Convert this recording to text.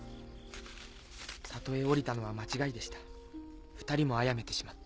里へ下りたのは間違いでした２人も殺めてしまった。